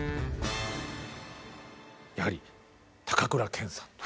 やはり高倉健さん。